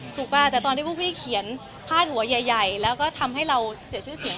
ป่ะแต่ตอนที่พวกพี่เขียนพาดหัวใหญ่แล้วก็ทำให้เราเสียชื่อเสียง